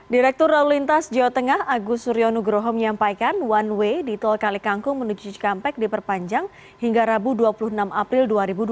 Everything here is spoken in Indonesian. direktur lalu lintas jawa tengah agus suryo nugroho menyampaikan one way di tol kalikangkung menuju cikampek diperpanjang hingga rabu dua puluh enam april dua ribu dua puluh